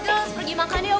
girls girls pergi makan yuk